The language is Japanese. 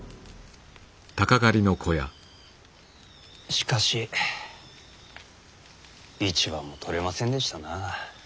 しかし一羽も取れませんでしたなあ。